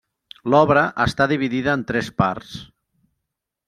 L'obra està dividida en tres parts.